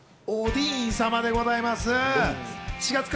おディーン様でございます。